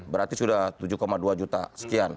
berarti sudah tujuh dua juta sekian